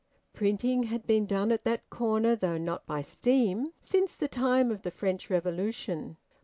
Printing had been done at that corner, though not by steam, since the time of the French Revolution.